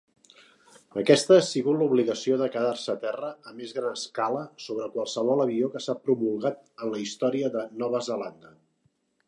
Aquesta ha sigut l'obligació de quedar-se a terra a més gran escala sobre qualsevol avió que s'ha promulgat en la història de Nova Zelanda.